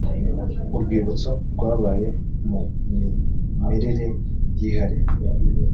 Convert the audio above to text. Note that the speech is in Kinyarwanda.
urwibutso rwabaye mu mimerere yihariye